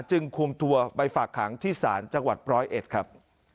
จึงคุมตัวไปฝากขังที่ศาลจังหวัดร้อยเอ็ดครับ